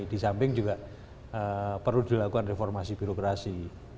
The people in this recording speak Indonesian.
di samping juga perlu dilakukan reformasi birokrasi